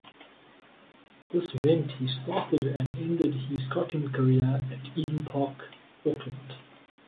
This meant he started and ended his Scotland career at Eden Park, Auckland.